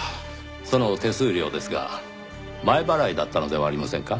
その手数料ですが前払いだったのではありませんか？